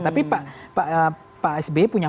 tapi pak sbi punya